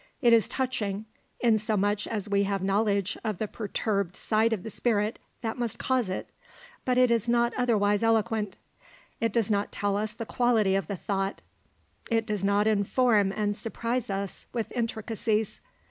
It is touching, insomuch as we have knowledge of the perturbed tide of the spirit that must cause it, but it is not otherwise eloquent. It does not tell us the quality of the thought, it does not inform and surprise as with intricacies.